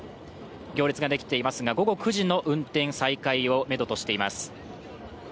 行列ができていますが、午後９時の運転再開をめどとしています。